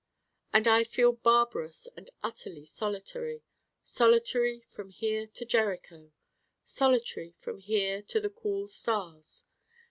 And I feel barbarous and utterly solitary, solitary from here to Jericho, solitary from here to the cool stars.